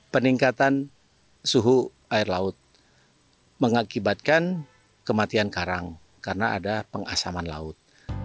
peningkatan suhu air laut mengakibatkan kematian karang karena ada pengasaman laut